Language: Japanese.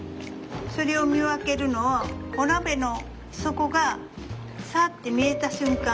それを見分けるのをお鍋の底がサって見えた瞬間。